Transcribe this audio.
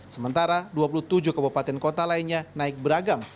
sementara dua puluh tujuh kabupaten kota lainnya naik beragam